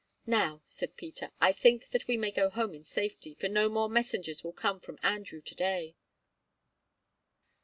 "Now," said Peter, "I think that we may go home in safety, for no more messengers will come from Andrew to day."